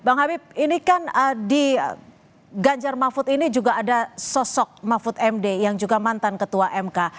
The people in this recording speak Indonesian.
bang habib ini kan di ganjar mahfud ini juga ada sosok mahfud md yang juga mantan ketua mk